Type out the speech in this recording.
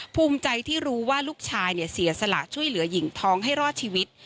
ภูมิใจที่รู้ว่าลูกชายเสียสละช่วยเหลือหญิงท้องให้รอดชีวิต